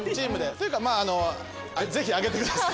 というかぜひあげてください。